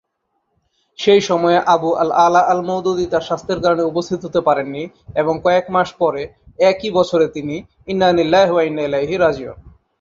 সেই সময়ে, আবু আল-আলা আল-মওদুদি তার স্বাস্থ্যের কারণে উপস্থিত হতে পারেননি এবং কয়েক মাস পরে একই বছরে তিনি মারা যান।